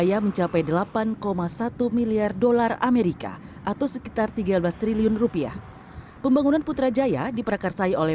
dan itu lokasi terbaik di mana putrajaya di pilih